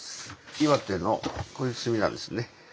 岩手のこういう炭なんですね。